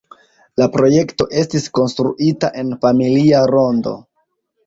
La projekto estis konstruita en familia rondo.